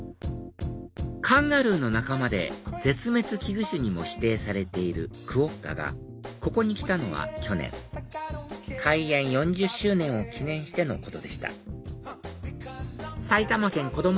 カンガルーの仲間で絶滅危惧種にも指定されているクオッカがここに来たのは去年開園４０周年を記念してのことでした埼玉県こども